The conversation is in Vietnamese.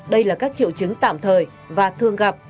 đây là các triệu chứng tạm thời và thường gặp